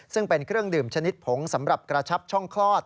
ซึ่งเป็นเครื่องดื่มชนิดผงสำหรับกระชับช่องคลอด